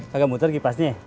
kagak muter kipasnya